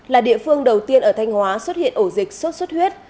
là địa phương đầu tiên ở thanh hóa xuất hiện ổ dịch sốt xuất huyết